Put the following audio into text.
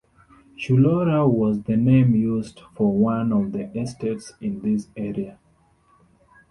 Chullora was the name used for one of the estates in this area.